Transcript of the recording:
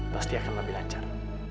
pasti akan lebih lancar